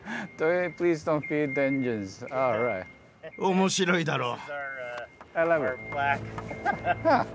面白いだろう？